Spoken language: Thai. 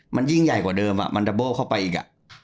มันยิ่งใหญ่กว่าเดิมมันดับโบ้เข้าไปอีก